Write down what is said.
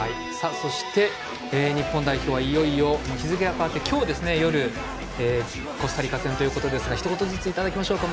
そして日本代表はいよいよ日付が変わって、今日夜コスタリカ戦ということですがひと言ずついただきましょうか。